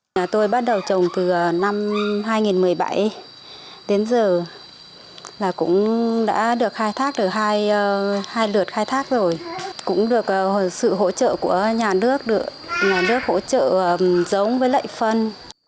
nhà tôi bắt đầu trồng từ năm hai nghìn một mươi bảy đến giờ là cũng đã được khai thác được hai lượt khai thác rồi cũng được sự hỗ trợ của nhà nước nhà nước hỗ trợ giống với lệ phân